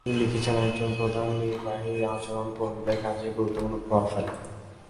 তিনি লিখেছেন, একজন প্রধান নির্বাহীর আচরণ কর্মীদের কাজে গুরুত্বপূর্ণ প্রভাব ফেলে।